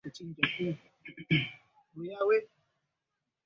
migogoro ya kimataifa ya kutumia silaha siyo mizuri